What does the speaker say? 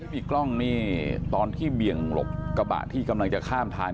มีกล้องนี่ตอนที่เบี่ยงหลบกระบะที่กำลังจะข้ามทาง